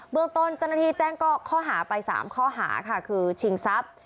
เบื้องตนจันทีแจ้งก็ข้อหาไปสามข้อหาค่ะคือชิงทรัพย์